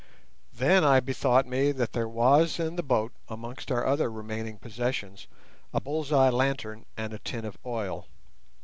Then I bethought me that there was in the boat, amongst our other remaining possessions, a bull's eye lantern and a tin of oil.